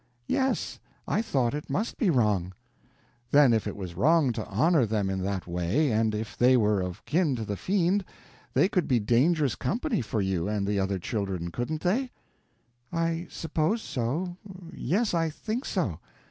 "Yes. I thought it must be wrong." "Then if it was wrong to honor them in that way, and if they were of kin to the Fiend, they could be dangerous company for you and the other children, couldn't they?" "I suppose so—yes, I think so."